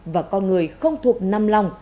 và con người không thuộc nằm lòng